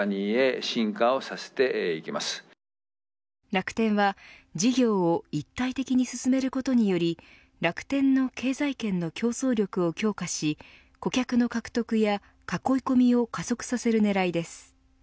楽天は、事業を一体的に進めることにより楽天の経済圏の競争力を強化し顧客の獲得や囲い込みを加速させる狙いです。